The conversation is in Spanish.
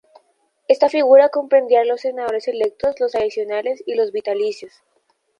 Esta figura comprendía los Senadores electos, los adicionales y los vitalicios.